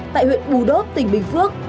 tại huyện bù đốp tỉnh bình phước